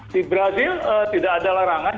di brazil tidak ada larangan